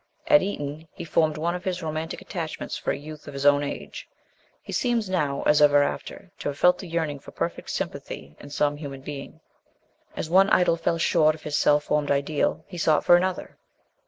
At Eton he formed one of his romantic attachments for a youth of his own age. He seems now, as ever after, to have felt the yearning for perfect sympathy in some human being ; as one idol fell short of his self formed ideal, he sought for another.